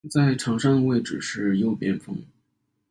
在场上的位置是右边锋。